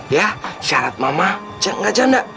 ya syarat mama gak janda